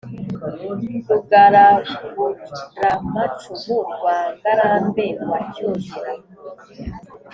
Rugaraguramacumu rwa Ngarambe wa cyogera,